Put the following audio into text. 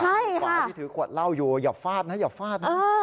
ใช่ค่ะขวาที่ถือขวดเล่าอยู่อย่าฟาดนะอย่าฟาดเออ